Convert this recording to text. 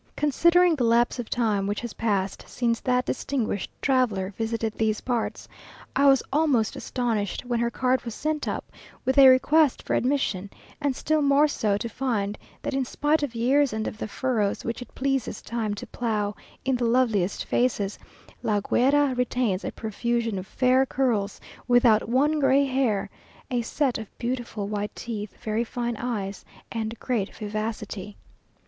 Considering the lapse of time which has passed since that distinguished traveller visited these parts, I was almost astonished when her card was sent up with a request for admission, and still more so to find that in spite of years and of the furrows which it pleases Time to plough in the loveliest faces, La Guera retains a profusion of fair curls without one gray hair, a set of beautiful white teeth, very fine eyes, and great vivacity.